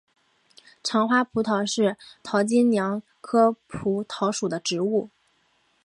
长花蒲桃是桃金娘科蒲桃属的植物。